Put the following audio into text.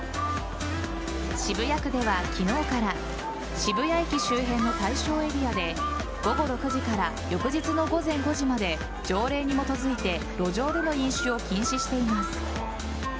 渋谷区では昨日から渋谷駅周辺の対象エリアで午後６時から翌日の午前５時まで条例に基づいて路上での飲酒を禁止しています。